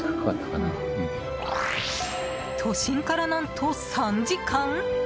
都心から何と３時間？